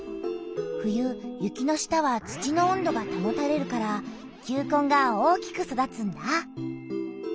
冬雪の下は土の温度がたもたれるから球根が大きく育つんだ！